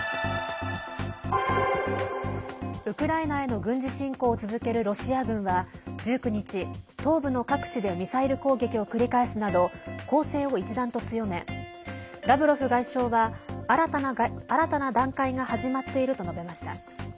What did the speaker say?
ウクライナへの軍事侵攻を続けるロシア軍は１９日、東部の各地でミサイル攻撃を繰り返すなど攻勢を一段と強めラブロフ外相は新たな段階が始まっていると述べました。